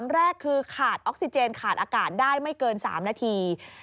แรกคือขาดออกซิเจนขาดอากาศได้ไม่เกิน๓นาที